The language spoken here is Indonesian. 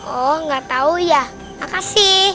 oh nggak tahu ya makasih